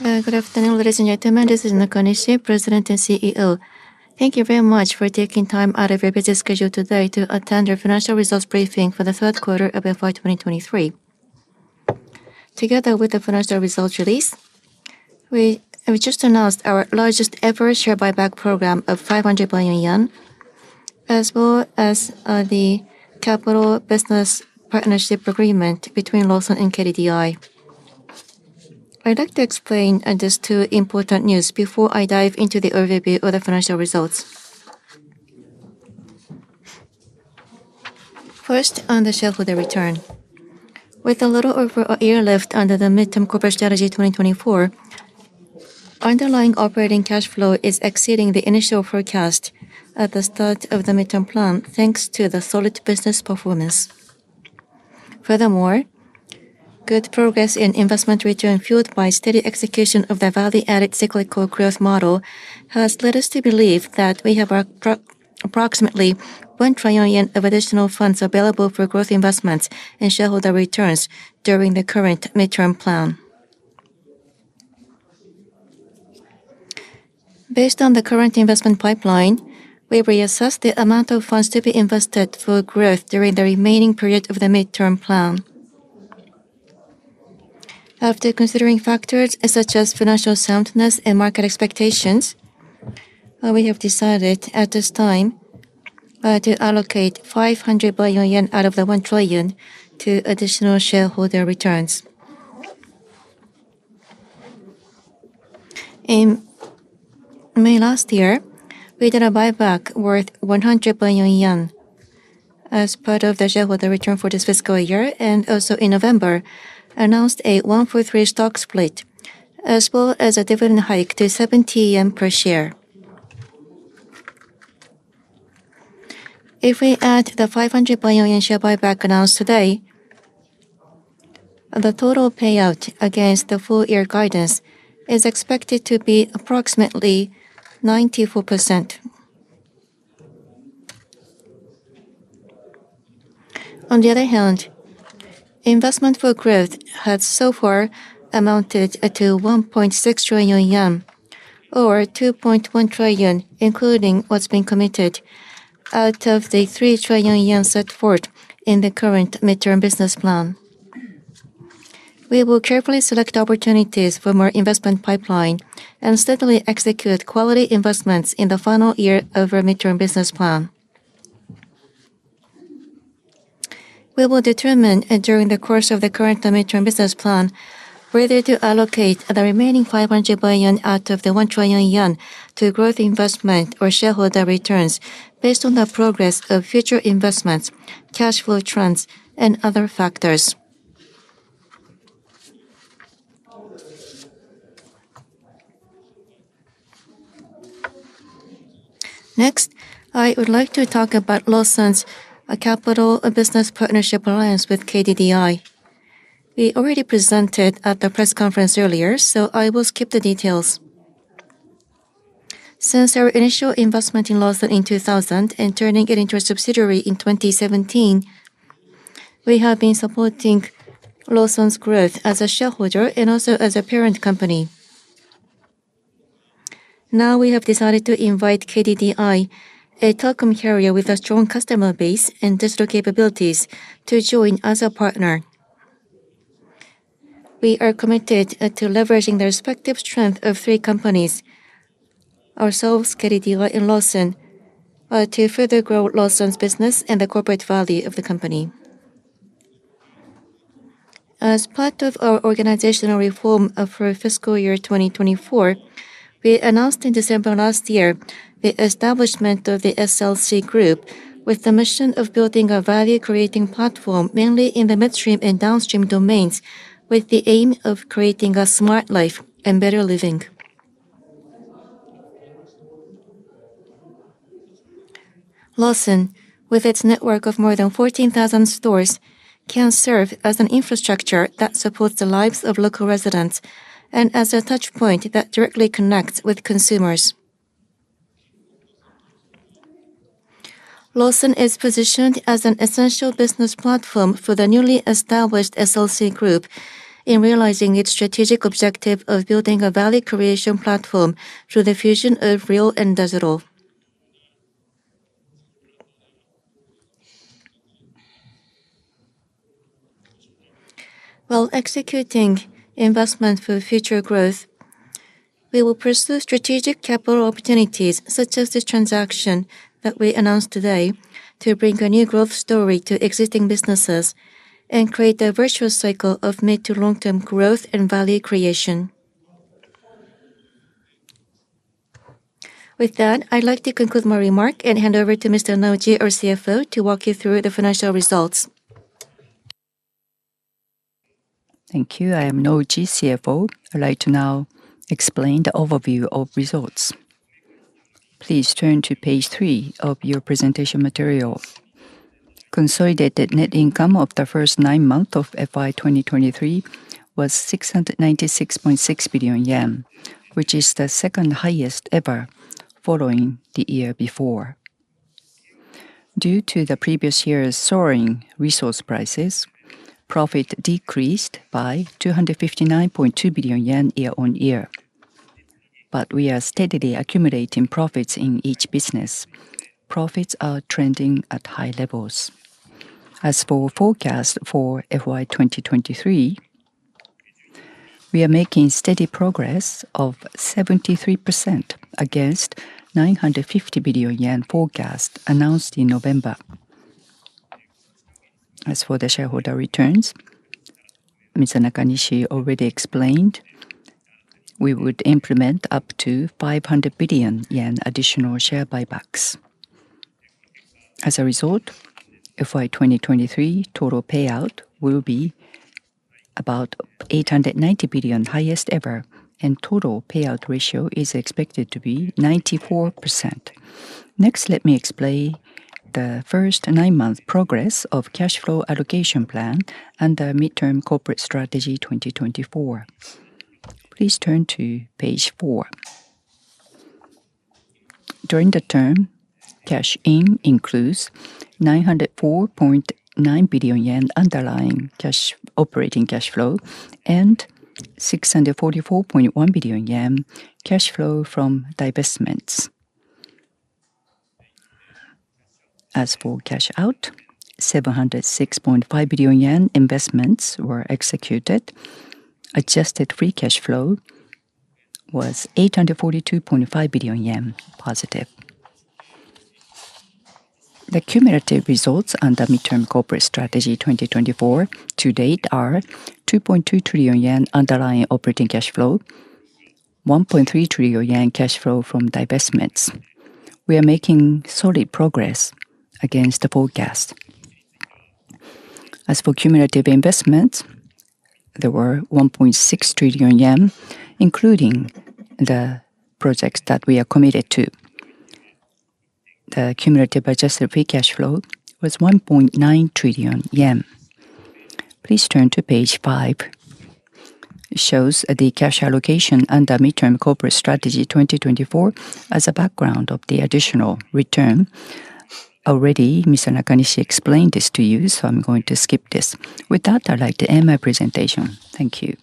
Good afternoon, ladies and gentlemen, this is Nakanishi, President and CEO. Thank you very much for taking time out of your busy schedule today to attend our financial results briefing for the third quarter of FY 2023. Together with the financial results release, we just announced our largest ever share buyback program of 500 billion yen, as well as, the capital business partnership agreement between Lawson and KDDI. I'd like to explain, these two important news before I dive into the overview of the financial results. First, on the shareholder return. With a little over a year left under the Midterm Corporate Strategy 2024, underlying operating cash flow is exceeding the initial forecast at the start of the midterm plan, thanks to the solid business performance. Furthermore, good progress in investment return, fueled by steady execution of the value-added cyclical growth model, has led us to believe that we have approximately 1 trillion of additional funds available for growth investments and shareholder returns during the current midterm plan. Based on the current investment pipeline, we reassessed the amount of funds to be invested for growth during the remaining period of the midterm plan. After considering factors such as financial soundness and market expectations, we have decided at this time to allocate 500 billion yen out of the 1 trillion to additional shareholder returns. In May last year, we did a buyback worth 100 billion yen as part of the shareholder return for this fiscal year, and also in November announced a three-for-one stock split, as well as a dividend hike to 70 yen per share. If we add the 500 billion share buyback announced today, the total payout against the full year guidance is expected to be approximately 94%. On the other hand, investment for growth has so far amounted to 1.6 trillion yen or 2.1 trillion, including what's been committed out of the 3 trillion yen set forth in the current midterm business plan. We will carefully select opportunities for more investment pipeline and steadily execute quality investments in the final year of our midterm business plan. We will determine during the course of the current midterm business plan, whether to allocate the remaining 500 billion out of the 1 trillion yen to growth investment or shareholder returns based on the progress of future investments, cash flow trends, and other factors. Next, I would like to talk about Lawson's capital business partnership alliance with KDDI. We already presented at the press conference earlier, so I will skip the details. Since our initial investment in Lawson in 2000 and turning it into a subsidiary in 2017, we have been supporting Lawson's growth as a shareholder and also as a parent company. Now we have decided to invite KDDI, a telecom carrier with a strong customer base and digital capabilities, to join as a partner. We are committed to leveraging the respective strength of three companies, ourselves, KDDI, and Lawson, to further grow Lawson's business and the corporate value of the company. As part of our organizational reform, for fiscal year 2024, we announced in December last year the establishment of the SLC Group, with the mission of building a value-creating platform, mainly in the midstream and downstream domains, with the aim of creating a smart life and better living. Lawson, with its network of more than 14,000 stores, can serve as an infrastructure that supports the lives of local residents and as a touch point that directly connects with consumers. Lawson is positioned as an essential business platform for the newly established SLC Group in realizing its strategic objective of building a value creation platform through the fusion of real and digital. While executing investment for future growth, we will pursue strategic capital opportunities, such as the transaction that we announced today, to bring a new growth story to existing businesses and create a virtuous cycle of mid to long-term growth and value creation. With that, I'd like to conclude my remark and hand over to Mr. Nouchi, our CFO, to walk you through the financial results. Thank you. I am Nouchi, CFO. I'd like to now explain the overview of results. Please turn to page three of your presentation material. Consolidated net income of the first nine months of FY 2023 was 696.6 billion yen, which is the second highest ever following the year before. Due to the previous year's soaring resource prices, profit decreased by 259.2 billion yen year on year. But we are steadily accumulating profits in each business. Profits are trending at high levels. As for forecast for FY 2023, we are making steady progress of 73% against 950 billion yen forecast announced in November. As for the shareholder returns, Mr. Nakanishi already explained, we would implement up to 500 billion yen additional share buybacks. As a result, FY 2023 total payout will be about 890 billion, highest ever, and total payout ratio is expected to be 94%. Next, let me explain the first nine-month progress of cash flow allocation plan and the Midterm Corporate Strategy 2024. Please turn to page four. During the term, cash in includes 904.9 billion yen underlying operating cash flow, and 644.1 billion yen cash flow from divestments. As for cash out, 706.5 billion yen investments were executed. Adjusted free cash flow was JPY 842.5 billion positive. The cumulative results under Midterm Corporate Strategy 2024 to date are 2.2 trillion yen underlying operating cash flow, 1.3 trillion yen cash flow from divestments. We are making solid progress against the forecast. As for cumulative investments, there were 1.6 trillion yen, including the projects that we are committed to. The cumulative adjusted free cash flow was 1.9 trillion yen. Please turn to page five. It shows the cash allocation under Midterm Corporate Strategy 2024 as a background of the additional return. Already, Mr. Nakanishi explained this to you, so I'm going to skip this. With that, I'd like to end my presentation. Thank you.